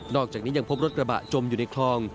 อกจากนี้ยังพบรถกระบะจมอยู่ในคลอง